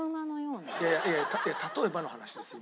いや例えばの話ですよ。